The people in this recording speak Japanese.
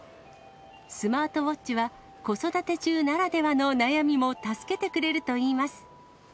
スマートウォッチは子育て中ならではの悩みも助けてくれるといいます。